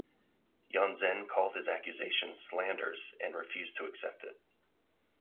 Yuan Zhen called his accusations slanders and refused to accept it.